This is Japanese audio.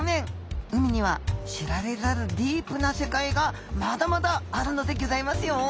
海には知られざるディープな世界がまだまだあるのでぎょざいますよ。